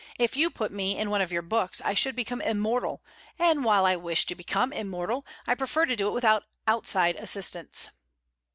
If you put me in one of your books, I should become immortal; and while I wish to become immortal, I prefer to do it without outside assistance."